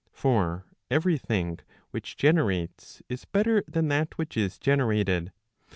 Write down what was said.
For every thing which generates is better than that which is generated.